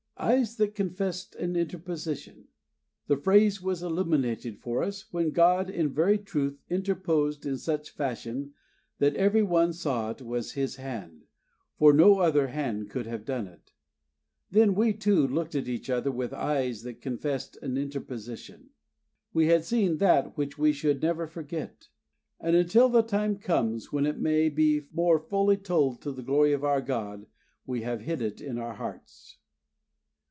"Eyes that confessed an interposition." The phrase was illuminated for us when God in very truth interposed in such fashion that every one saw it was His Hand, for no other hand could have done it. Then we, too, looked at each other with eyes that confessed an interposition. We had seen that which we should never forget; and until the time comes when it may be more fully told to the glory of our God, we have hid it in our hearts.